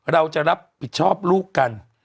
เราจะรับผิดชอบลูกกัน